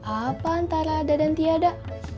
apa antara lada dan tiada